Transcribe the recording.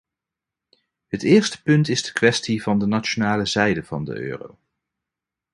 Het eerste punt is de kwestie van de nationale zijde van de euro.